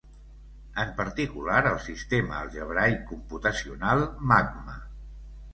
En particular el sistema algebraic computacional Magma.